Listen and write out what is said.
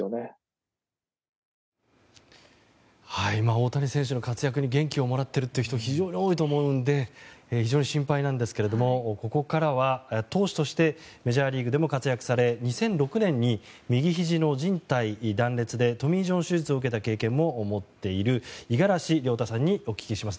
大谷選手の活躍に元気をもらっている人も非常に多いと思うので非常に心配なんですがここからは投手としてメジャーリーグでも活躍され２００６年に右ひじのじん帯断裂でトミー・ジョン手術を受けた経験も持っている五十嵐亮太さんにお聞きします。